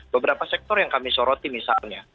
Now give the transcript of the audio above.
beberapa sektor yang kami soroti misalnya